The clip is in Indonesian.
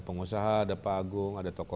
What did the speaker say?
pengusaha ada pak agung ada tokoh